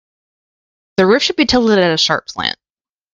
The roof should be tilted at a sharp slant.